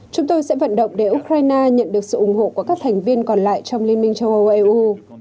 chúng tôi sẽ vận động để ukraine nhận được sự ủng hộ của các thành viên còn lại trong liên minh châu âu eu